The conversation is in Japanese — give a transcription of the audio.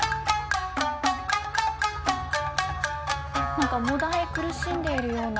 何かもだえ苦しんでいるような。